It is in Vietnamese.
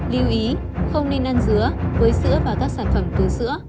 lưu ý không nên ăn dứa với sữa và các sản phẩm từ sữa